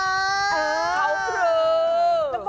เอ่อเอาคือ